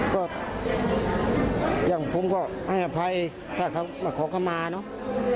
ก็อย่างผมก็ให้อภัยถ้าเขามาขอเข้ามาเนอะ